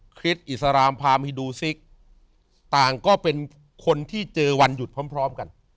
ริสอิสรามพามฮิดูซิกต่างก็เป็นคนที่เจอวันหยุดพร้อมกัน